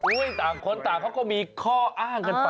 ต่างคนต่างเขาก็มีข้ออ้างกันไป